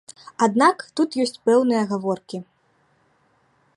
Аднак тут ёсць пэўныя агаворкі.